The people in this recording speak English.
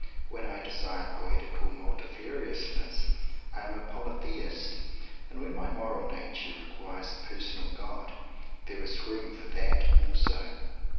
When I desire poetical multifariousness, I am a Polytheist. And when my moral nature requires a Personal God _there is room for That also?"